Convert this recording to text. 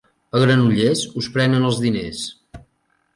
A Granollers us prenen els diners.